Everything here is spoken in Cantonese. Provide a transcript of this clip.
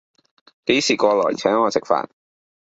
幾時過來請我食飯